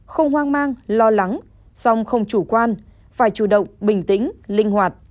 không hoang mang lo lắng song không chủ quan phải chủ động bình tĩnh linh hoạt